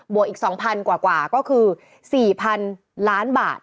วกอีก๒๐๐กว่าก็คือ๔๐๐๐ล้านบาท